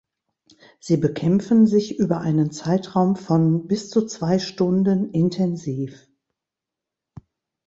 Sie bekämpfen sich über einen Zeitraum von bis zu zwei Stunden intensiv.